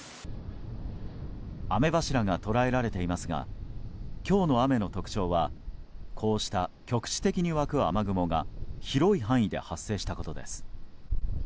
雨柱が捉えられていますが今日の雨の特徴はこうした局地的に湧く雨雲が広い範囲で発生したことです。